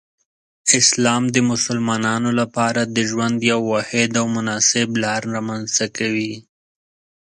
اسلام د مسلمانانو لپاره د ژوند یو واحد او مناسب لار رامنځته کوي.